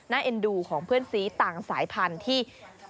เอ็นดูของเพื่อนสีต่างสายพันธุ์ที่